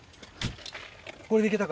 これで行けたか？